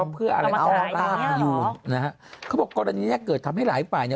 เพื่ออะไรเอาล่าพยูนเค้าบอกสิ่งนี้เกิดทำให้หลายฝ่ายนะ